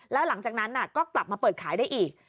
แล้วหลังจากนั้นก็กลับมาเปิดขายได้อีก